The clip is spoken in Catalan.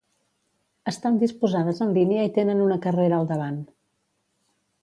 Estan disposades en línia i tenen una carrera al davant.